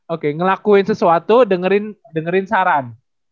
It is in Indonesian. oke ngelakuin sesuatu dengerin dengerin saran